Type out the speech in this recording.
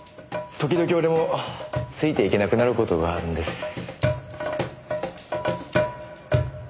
時々俺もついていけなくなる事があるんです。